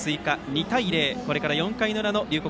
２対０、これから４回の裏の龍谷